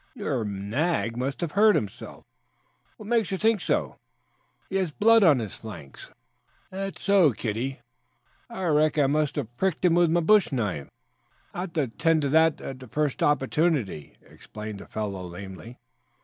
"Your nag must have hurt itself." "What makes you think so?" "He has blood on his flanks." "That's so, kiddie. I reckon I must have pricked him with my bush knife. I'll have to tend to that at the first opportunity," explained the fellow lamely.